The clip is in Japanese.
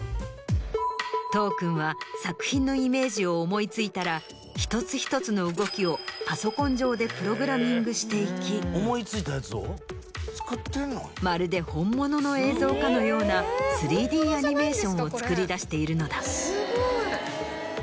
都央君は作品のイメージを思い付いたら一つ一つの動きをパソコン上でプログラミングしていきまるで本物の映像かのような３Ｄアニメーションを作り出しているのだ。